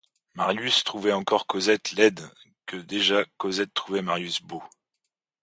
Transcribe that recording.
Marius trouvait encore Cosette laide que déjà Cosette trouvait Marius beau.